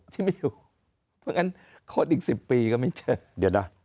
ที่ไม่อยู่เพราะงั้นโคตรอีก๑๐ปีก็ไม่เจอเดี๋ยวนะ